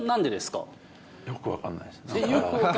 よく分からないですね。